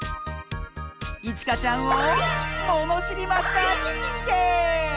いちかちゃんをものしりマスターににんてい！